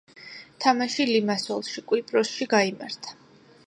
თამაში ლიმასოლში, კვიპროსში გაიმართა.